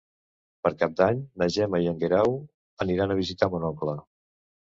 Per Cap d'Any na Gemma i en Guerau aniran a visitar mon oncle.